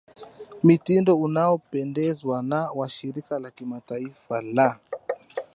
mitindo unaopendekezwa na washirika la kimataifa la